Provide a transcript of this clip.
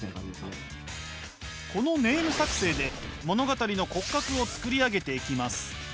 このネーム作成で物語の骨格を作り上げていきます。